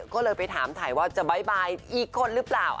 ก็เลยไปถามถ่ายว่าจะบ๊ายบายอีกคนหรือเปล่า